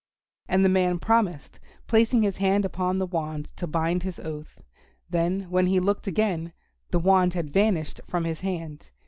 And the man promised, placing his hand upon the wand to bind his oath. Then, when he looked again, the wand had vanished from his hand.